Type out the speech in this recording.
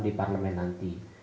di parlemen nanti